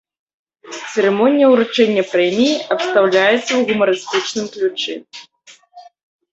Цырымонія ўручэння прэміі абстаўляецца ў гумарыстычным ключы.